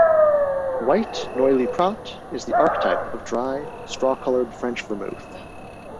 "White" Noilly Prat is the archetype of dry, straw-coloured French vermouth.